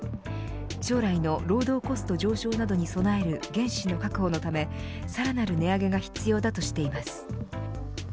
将来の労働コスト上昇などに備える原資の確保のためさらなる値上げが必要だとしています。